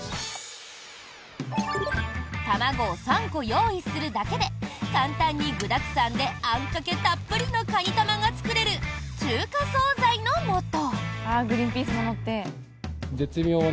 卵を３個用意するだけで簡単に、具だくさんであんかけたっぷりのかに玉が作れる中華総菜のもと。